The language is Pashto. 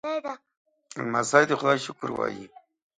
لمسی د خدای شکر وايي.